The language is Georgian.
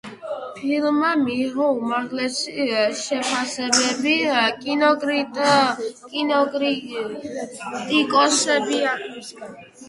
ფილმმა მიიღო უმაღლესი შეფასებები კინოკრიტიკოსებისგან.